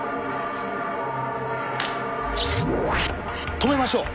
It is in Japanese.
止めましょう。